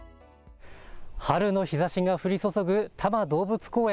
春の日ざしが降り注ぐ多摩動物公園。